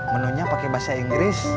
menunya pake bahasa inggris